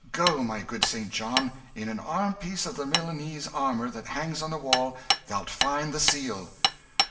"Go, my good St. John in an arm piece of the Milanese armour that hangs on the wall, thou'lt find the Seal!"